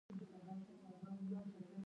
ترڅنګ یې یو امتیازي سیستم هم رامنځته شو